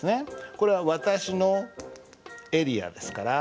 これは私のエリアですから。